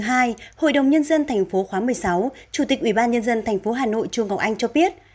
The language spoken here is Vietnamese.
hội đồng nhân dân thành phố khóa một mươi sáu chủ tịch ủy ban nhân dân thành phố hà nội truong ngọc anh cho biết